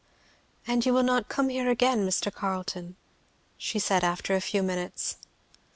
"And you will not come here again, Mr. Carleton?" she said after a few minutes.